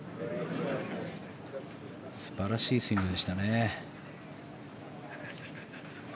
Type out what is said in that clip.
素晴らしいスイングでしたね。